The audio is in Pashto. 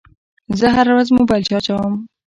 زه هره ورځ موبایل چارجوم.